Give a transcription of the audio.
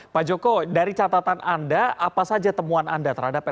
pak joko dari catatan anda apa saja temuan anda terhadap